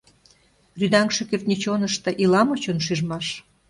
Рӱдаҥше кӱртньӧ чонышто Ила мо чоншижмаш?